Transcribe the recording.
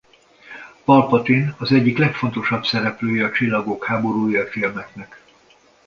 Palpatine az egyik legfontosabb szereplője a Csillagok háborúja filmeknek.